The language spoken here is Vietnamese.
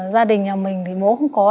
gia đình nhà mình thì bố không có